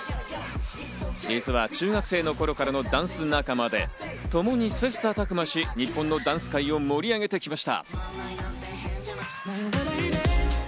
実は中学生の頃からのダンス仲間で、ともに切磋琢磨し、日本のダンス界を盛り上げてきました。